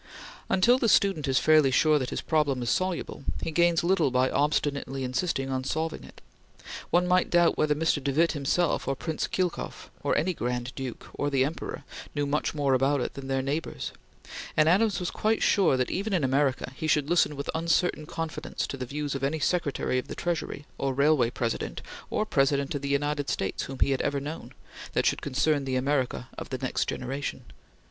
Until the student is fairly sure that his problem is soluble, he gains little by obstinately insisting on solving it. One might doubt whether Mr. de Witte himself, or Prince Khilkoff, or any Grand Duke, or the Emperor, knew much more about it than their neighbors; and Adams was quite sure that, even in America, he should listen with uncertain confidence to the views of any Secretary of the Treasury, or railway president, or President of the United States whom he had ever known, that should concern the America of the next generation.